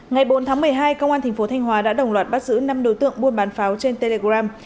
ngày bốn tháng một mươi hai công an thành phố thanh hóa đã đồng loạt bắt giữ năm đối tượng buôn bán pháo trên telegram